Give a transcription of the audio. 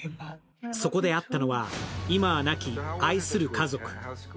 そこで会ったのは、今は亡き愛する家族。